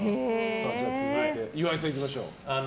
続いて、岩井さんいきましょう。